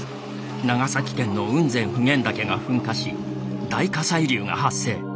長崎県の雲仙普賢岳が噴火し大火砕流が発生。